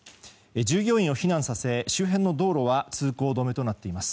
従業員を避難させ、周辺の道路は通行止めになっています。